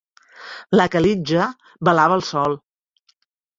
La calitja velava el sol.